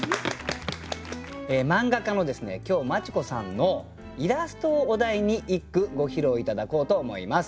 漫画家の今日マチ子さんのイラストをお題に一句ご披露頂こうと思います。